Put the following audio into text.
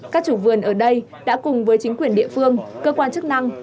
các chủ vườn ở đây đã cùng với chính quyền địa phương cơ quan chức năng